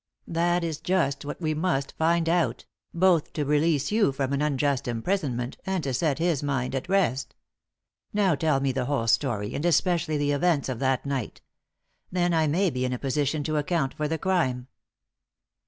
"That is just what we must find out, both to release you from an unjust imprisonment and to set his mind at rest. Now tell me the whole story and especially the events of that night. Then I may be in a position to account for the crime."